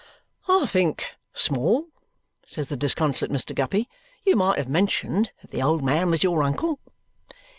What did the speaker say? "I think, Small," says the disconsolate Mr. Guppy, "you might have mentioned that the old man was your uncle."